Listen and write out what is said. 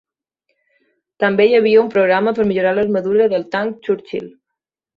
També hi havia un programa per millorar l'armadura del tanc Churchill.